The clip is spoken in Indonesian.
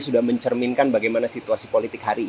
sudah mencerminkan bagaimana situasi politik hari ini